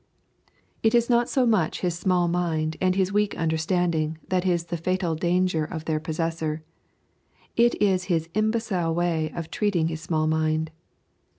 It is not so much his small mind and his weak understanding that is the fatal danger of their possessor, it is his imbecile way of treating his small mind.